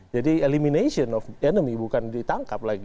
jadi elimination of enemy bukan ditangkap lagi